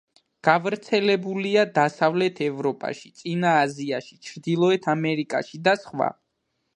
გავრცელებულია დასავლეთ ევროპაში, წინა აზიაში, ჩრდილოეთ ამერიკაში და სხვა.